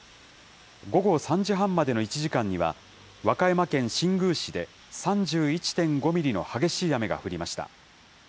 午後３時半までの１時間には、和歌山県新宮市で３１．５ミリの激しい雨が降りました。